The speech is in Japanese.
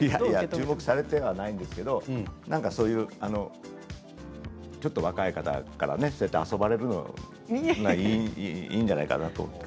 注目されてはいないんですけれどそういう若い方からね遊ばれるのってねいいんじゃないかなって。